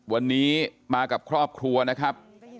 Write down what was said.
วันนี้มากับครอบครัวนะครับ